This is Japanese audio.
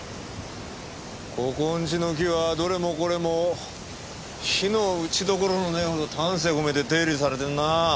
ここんちの木はどれもこれも非の打ちどころのねえほど丹精込めて手入れされてるな。